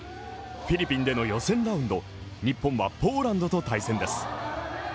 フィリピンでの予選ラウンド日本はポーランドと対戦です。